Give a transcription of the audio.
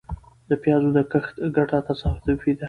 د پيازو د کښت ګټه تصادفي ده .